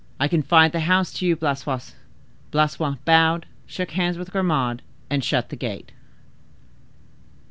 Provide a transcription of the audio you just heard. I confide the house to you, Blaisois." Blaisois bowed, shook hands with Grimaud, and shut the gate.